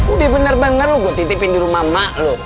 udah bener bener loh gue titipin di rumah mak loh